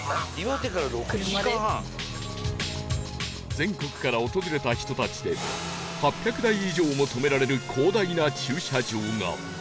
全国から訪れた人たちで８００台以上も止められる広大な駐車場が